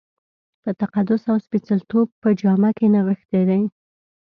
په تقدس او سپېڅلتوب په جامه کې نغښتی دی.